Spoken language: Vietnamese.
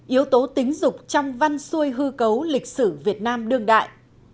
yếu tố tính dục trong văn xuôi hư cấu lịch sử việt nam đương đại